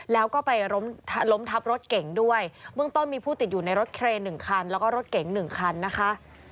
แล้วก็ไปล้มล้มทับรถเก่งด้วยเบื้องต้นมีผู้ติดอยู่ในรถเครนหนึ่งคันแล้วก็รถเก๋ง๑คันนะคะ